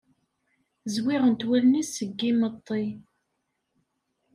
Zwiɣent wallen-is seg imeṭṭi.